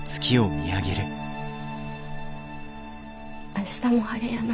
明日も晴れやな。